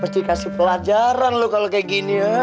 mesti dikasih pelajaran lo kalo kaya gini ya